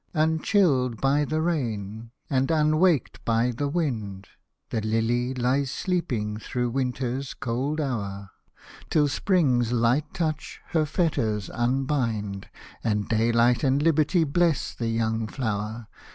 Unchilled by the rain, and unwaked by the wind The lily lies sleeping thro' winter's cold hour, Till Spring's light touch her fetters unbind, And dayhght and liberty bless the young flower.